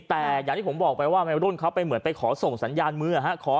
แต่อย่างที่ผมบอกไปว่าวัยรุ่นเขาไปเหมือนไปขอส่งสัญญาณมือ